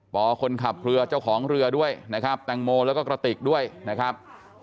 คนขับเรือเจ้าของเรือด้วยนะครับแตงโมแล้วก็กระติกด้วยนะครับ